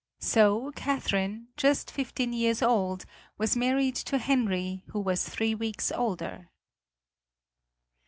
So Catherine, just fifteen years old, was married to Henry, who was three weeks older.